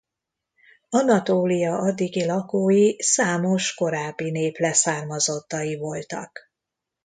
Anatólia addigi lakói számos korábbi nép leszármazottai voltak.